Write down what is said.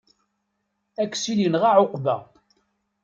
Aksil yenɣa ɛuqba.